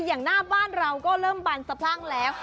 อย่างหน้าบ้านเราก็เริ่มบันสะพรั่งแล้ว